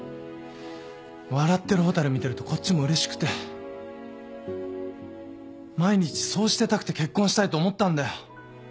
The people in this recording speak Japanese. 笑ってる蛍見てるとこっちもうれしくて毎日そうしてたくて結婚したいと思ったんだよ。